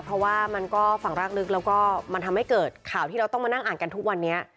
เพราะว่ามันก็ฝั่งรากลึกแล้วก็มันทำให้เกิดข่าวที่เราต้องมานั่งอ่านกันทุกวันนี้